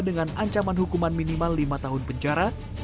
dengan ancaman hukuman minimal lima tahun penjara